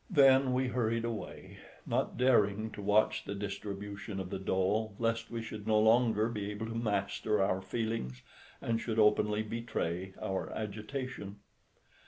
Then we hurried away, not daring to watch the distribution of the dole, lest we should no longer be able to master our feelings, and should openly betray our agitation.